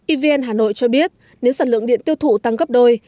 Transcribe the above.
evn hà nội cho biết nếu sản lượng điện tiêu thụ tăng gấp đôi